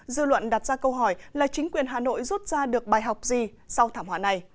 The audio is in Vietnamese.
dư luận đặt ra câu hỏi là chính quyền hà nội rút ra được bài học gì sau thảm họa này